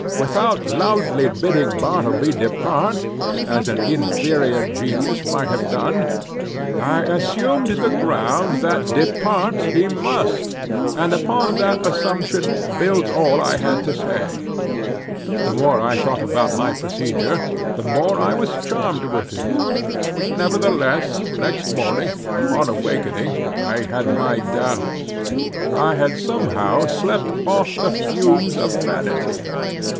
Without loudly bidding Bartleby depart—as an inferior genius might have done—I assumed the ground that depart he must; and upon that assumption built all I had to say. The more I thought over my procedure, the more I was charmed with it. Nevertheless, next morning, upon awakening, I had my doubts,—I had somehow slept off the fumes of vanity.